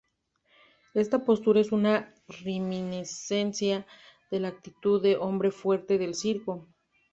Esta postura es una reminiscencia de la actitud de hombre fuerte del circo.